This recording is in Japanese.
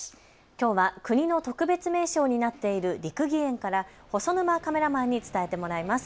きょうは国の特別名勝になっている六義園から細沼カメラマンに伝えてもらいます。